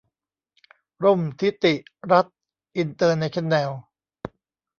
ร่มธิติรัตน์อินเตอร์เนชั่นแนล